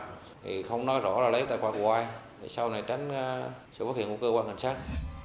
thì không nói rõ là lấy tài khoản của ai để sau này tránh sự phát hiện của cơ quan cảnh sát